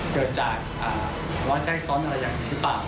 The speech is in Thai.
เจอจากร้อนไช้ซ้อนอะไรอย่างนี้ก็่งหรือเปล่า